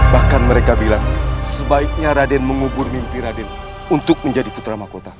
bahkan mereka bilang sebaiknya raden mengubur mimpi raden untuk menjadi putra mahkota